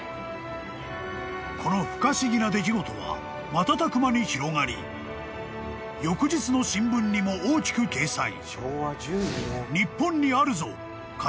［この不可思議な出来事は瞬く間に広がり翌日の新聞にも大きく掲載］